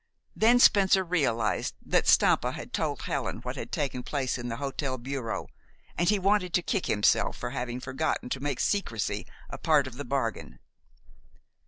Then Spencer realized that Stampa had told Helen what had taken place in the hotel bureau, and he wanted to kick himself for having forgotten to make secrecy a part of the bargain.